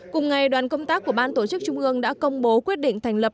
cùng ngày đoàn công tác của ban tổ chức trung ương đã công bố quyết định thành lập